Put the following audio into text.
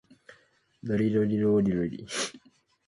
ロリロリローリロリ